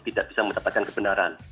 tidak bisa mendapatkan kebenaran